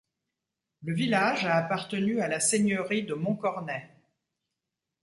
Le village a appartenu à la seigneurie de Montcornet.